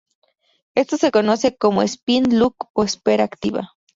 Esto se conoce como spin lock o espera activa.